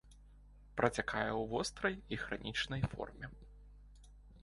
Працякае ў вострай і хранічнай форме.